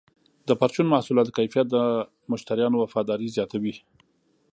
د پرچون محصولاتو کیفیت د مشتریانو وفاداري زیاتوي.